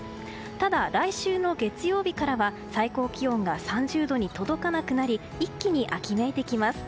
ただ、来週の月曜日から最高気温が３０度に届かなくなり一気に秋めいてきます。